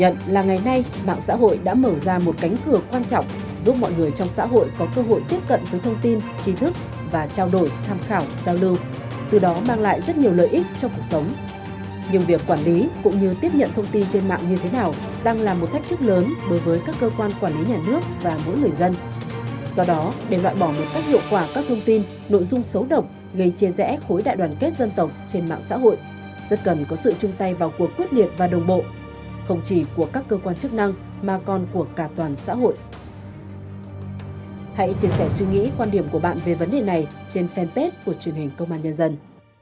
hãy chia sẻ suy nghĩ quan điểm của bạn về vấn đề này trên fanpage của truyền hình công an nhân dân